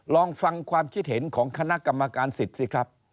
ลองฟังความคิดเห็นของคณะกรรมการสิทธิ์สิครับ